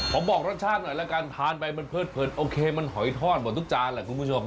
บอกรสชาติหน่อยละกันทานไปมันเผินโอเคมันหอยทอดหมดทุกจานแหละคุณผู้ชม